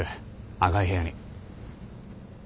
赤い部屋に。